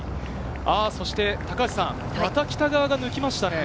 そして高橋さん、また北川が抜きましたね。